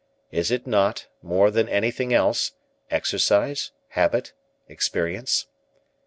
Is it not more than anything else exercise, habit, experience?